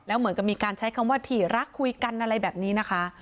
เหมือนกับมีการใช้คำว่าถี่รักคุยกันอะไรแบบนี้นะคะ